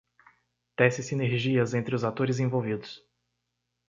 Tece sinergias entre os atores envolvidos.